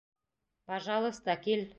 Пожалыста, кил.